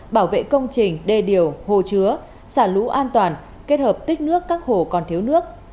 bảo vệ công trình đê điều hồ chứa xả lũ an toàn kết hợp tích nước các hồ còn thiếu nước